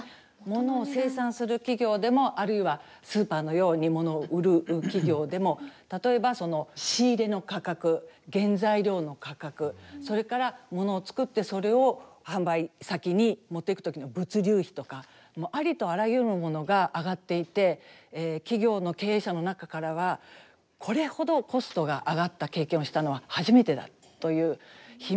物を生産する企業でもあるいはスーパーのように物を売る企業でも例えば仕入れの価格原材料の価格それから物を作ってそれを販売先に持っていく時の物流費とかもうありとあらゆるものが上がっていて企業の経営者の中からはこれほどコストが上がった経験をしたのは初めてだという悲鳴も上がってるんですね。